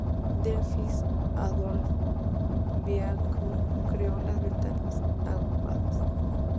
Delphis-Adolphe Beaulieu creó las ventanas agrupadas.